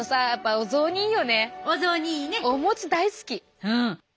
お餅大好き。